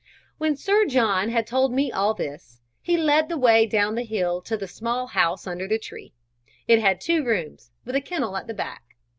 When Sir John had told me all this, he led the way down the hill to the small house under the tree. It had two rooms, with a kennel at the back.